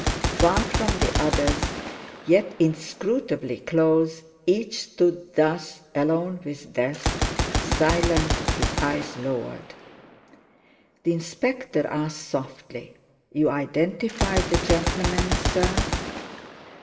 Far from the others, yet inscrutably close, each stood thus, alone with death, silent, his eyes lowered. The Inspector asked softly: "You identify the gentleman, sir?"